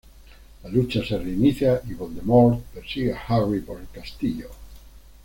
La lucha se reinicia y Voldemort persigue a Harry por el castillo.